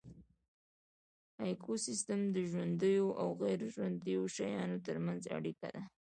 ایکوسیستم د ژوندیو او غیر ژوندیو شیانو ترمنځ اړیکه ده